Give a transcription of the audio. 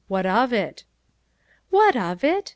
What of it?" " What of it?